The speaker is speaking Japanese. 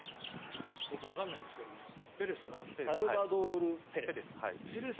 僕、わからないんですけどペレスさん？サルバドール・ペレス。